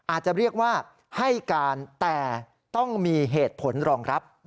อาจจะเรียกว่าให้การแต่ต้องมีเหตุผลรองรับ